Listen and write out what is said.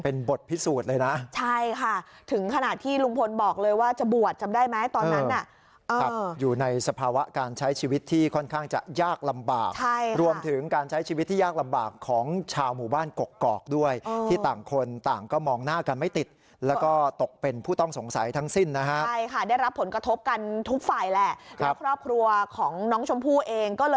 เป็นบทพิสูจน์เลยนะใช่ค่ะถึงขนาดที่ลุงพลบอกเลยว่าจะบวชจำได้ไหมตอนนั้นน่ะอยู่ในสภาวะการใช้ชีวิตที่ค่อนข้างจะยากลำบากใช่รวมถึงการใช้ชีวิตที่ยากลำบากของชาวหมู่บ้านกกอกด้วยที่ต่างคนต่างก็มองหน้ากันไม่ติดแล้วก็ตกเป็นผู้ต้องสงสัยทั้งสิ้นนะฮะใช่ค่ะได้รับผลกระทบกันทุกฝ่ายแหละแล้วครอบครัวของน้องชมพู่เองก็